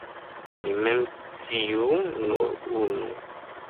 Mi menciu nur unu.